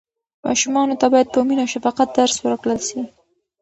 ماشومانو ته باید په مینه او شفقت درس ورکړل سي.